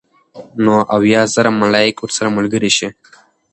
نو اويا زره ملائک ورسره ملګري شي